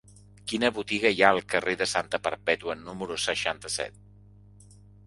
Quina botiga hi ha al carrer de Santa Perpètua número seixanta-set?